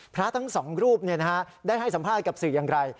พระทั้งสองรูปเนี่ยนะครับได้ให้สัมภาษณ์กับสื่ออย่างไร